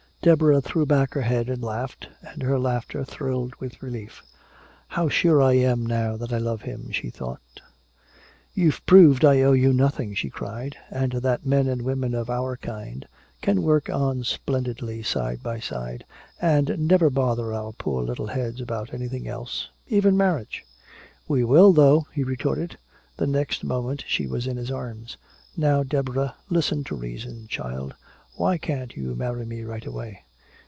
Deborah threw back her head and laughed, and her laughter thrilled with relief. "How sure I feel now that I love him," she thought. "You've proved I owe you nothing!" she cried. "And that men and women of our kind can work on splendidly side by side, and never bother our poor little heads about anything else even marriage!" "We will, though!" he retorted. The next moment she was in his arms. "Now, Deborah, listen to reason, child. Why can't you marry me right away?"